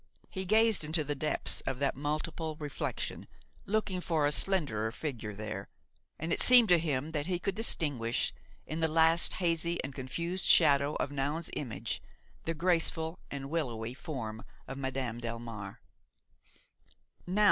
He gazed into the depths of that multiple reflection, looking for a slenderer figure there, and it seemed to him that he could distinguish, in the last hazy and confused shadow of Noun's image the graceful and willowy form of Madame Delmare.